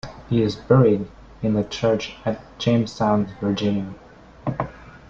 He is buried in the church at Jamestown, Virginia.